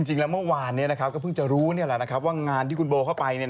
จริงแล้วเมื่อวานก็เพิ่งจะรู้ว่างานที่คุณโบเข้าไป